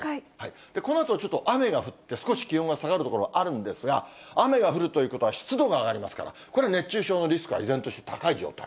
このあとちょっと雨が降って、少し気温が下がる所あるんですが、雨が降るということは、湿度が上がりますから、これ、熱中症のリスクが依然として高い状態。